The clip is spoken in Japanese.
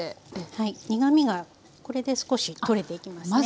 はい苦みがこれで少し取れていきますね。